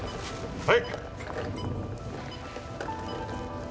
はい。